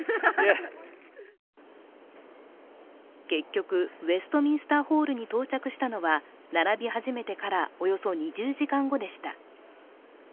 結局、ウェストミンスターホールに到着したのは並び始めてから、およそ２０時間後でした。